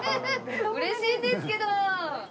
嬉しいんですけど！